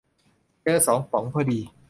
เจอสองป๋องพอดี